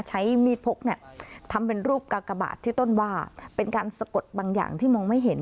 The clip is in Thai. ใช้มีดพกเนี่ยทำเป็นรูปกากบาทที่ต้นว่าเป็นการสะกดบางอย่างที่มองไม่เห็น